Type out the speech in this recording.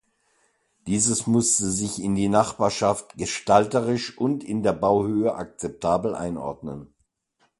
Dieses musste sich in die Nachbarschaft gestalterisch und in der Bauhöhe akzeptabel einordnen.